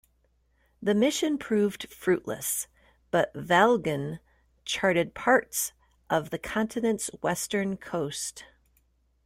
The mission proved fruitless, but Vlamingh charted parts of the continent's western coast.